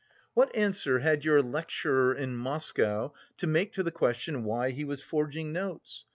"What answer had your lecturer in Moscow to make to the question why he was forging notes?